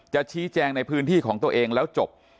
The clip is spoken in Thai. ชี้แจงในพื้นที่ของตัวเองแล้วจบ